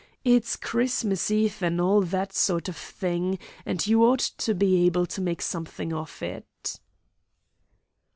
It's Christmas Eve, and all that sort of thing, and you ought to be able to make something of it."